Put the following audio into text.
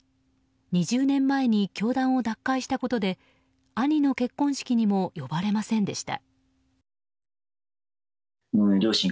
２０年前に教団を脱会したことで兄の結婚式にも呼ばれませんでした。